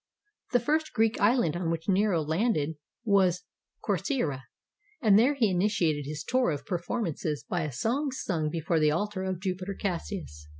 The first Greek island on which Nero landed was Corcyra, and there he initiated his tour of performances by a song sung before the altar of Jupiter Cassius.